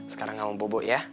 sekarang kamu bobo ya